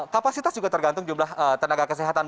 kapasitas juga tergantung jumlah tenaga kesehatan